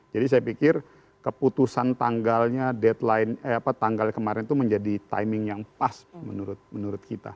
jadi saya pikir keputusan tanggalnya deadline tanggal kemarin itu menjadi timing yang pas menurut kita